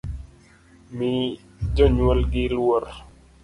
Mi jonywolgi luorr